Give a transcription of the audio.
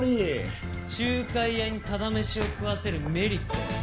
仲介屋にタダ飯を食わせるメリットは？